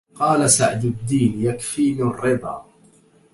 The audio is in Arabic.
قال سعد الدين يكفيني الرضا